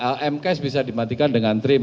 lm case bisa dimatikan dengan trim